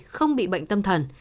không bị bệnh tâm thần